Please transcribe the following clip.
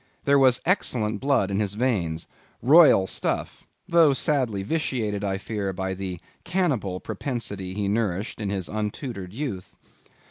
There was excellent blood in his veins—royal stuff; though sadly vitiated, I fear, by the cannibal propensity he nourished in his untutored youth.